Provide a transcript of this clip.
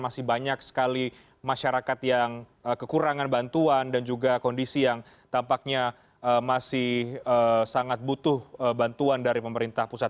masih banyak sekali masyarakat yang kekurangan bantuan dan juga kondisi yang tampaknya masih sangat butuh bantuan dari pemerintah pusat